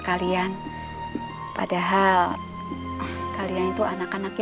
kenapa ngerempangkan diri